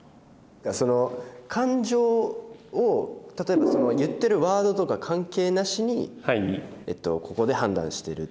その感情を例えば言ってるワードとか関係なしにここで判断してる？